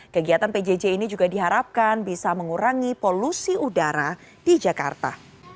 kegiatan pjj ini juga diharapkan bisa mengurangi polusi udara di jakarta